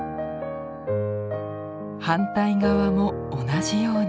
反対側も同じように。